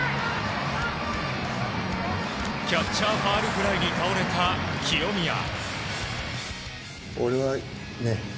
キャッチャーファウルフライに倒れた、清宮。